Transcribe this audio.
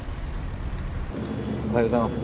おはようございます。